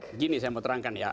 oke gini saya mau terangkan ya